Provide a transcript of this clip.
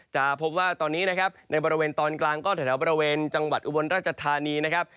จะพบว่าตอนนี้นะครับในบริเวณตอนกลางก็แถวบริเวณจังหวัดอุบลราชธานีนะครับ